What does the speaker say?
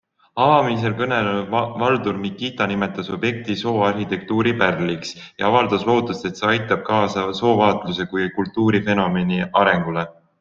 Avamisel kõnelenud Valdur Mikita nimetas objekti sooarhitektuuri pärliks ja avaldas lootust, et see aitab kaasa soovaatluse kui kultuurifenomeni arengule.